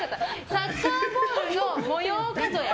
サッカーボールの模様数え。